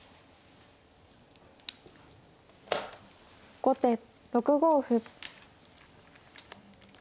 後手６五歩。